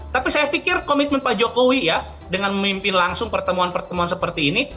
tapi saya pikir komitmen pak jokowi ya dengan memimpin langsung pertemuan pertemuan seperti ini